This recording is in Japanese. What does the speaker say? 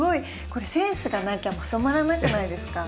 これセンスがなきゃまとまらなくないですか？